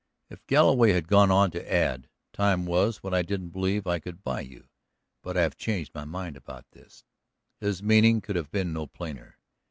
If Galloway had gone on to add: "Time was when I didn't believe I could buy you, but I have changed my mind about that," his meaning could have been no plainer.